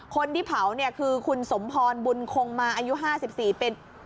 คนที่เผาเนี่ยคือคุณสมพรบุญคงมาอายุห้าสิบสี่เป็น